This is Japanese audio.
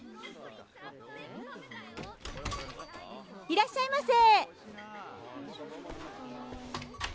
・いらっしゃいませ・